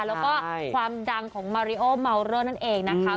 แล้วก็ความดังของมาริโอเมาเลอร์นั่นเองนะคะ